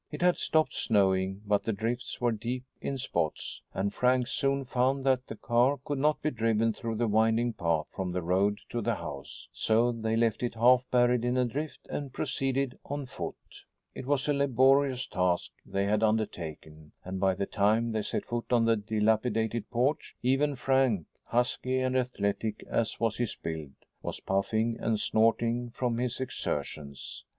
It had stopped snowing, but the drifts were deep in spots, and Frank soon found that the car could not be driven through the winding path from the road to the house. So they left it half buried in a drift and proceeded on foot. It was a laborious task they had undertaken, and, by the time they set foot on the dilapidated porch, even Frank, husky and athletic as was his build, was puffing and snorting from his exertions.